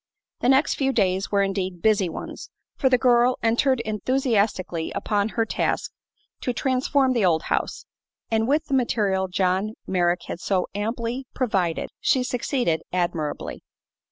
The next few days were indeed busy ones, for the girl entered enthusiastically upon her task to transform the old house, and with the material John Merrick had so amply provided she succeeded admirably.